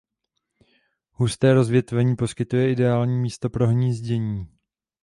Husté rozvětvení poskytuje ideální místo pro hnízdění.